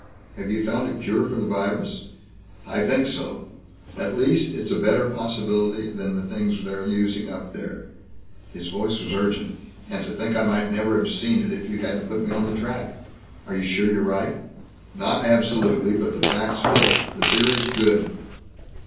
Have you found a cure for the virus?" "I think so. At least it's a better possibility than the things they're using up there." His voice was urgent. "And to think I might never have seen it if you hadn't put me on the track." "Are you sure you're right?" "Not absolutely, but the facts fit. The theory's good."